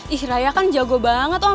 ih raya kan jago banget om